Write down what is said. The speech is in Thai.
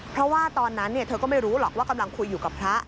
เพราะว่าตอนนั้นเธอก็ไม่รู้หรอกว่ากำลังคุยอยู่กับพระ